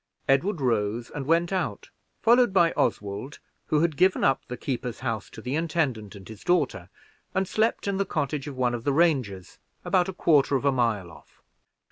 Edward rose and went out, followed by Oswald, who had given up the keeper's house to the intendant and his daughter, and slept in the cottage of one of the rangers, about a quarter of a mile off.